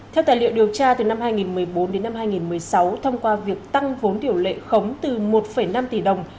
theo tài liệu điều tra từ năm hai nghìn một mươi bốn đến năm hai nghìn một mươi sáu thông qua việc tăng vốn điều lệ khống từ một năm tỷ đồng